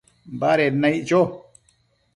baded naic cho